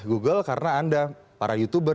google karena anda para youtuber